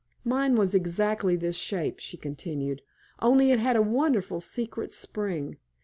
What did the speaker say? "Mine was exactly this shape," she continued; "only it had a wonderful secret spring.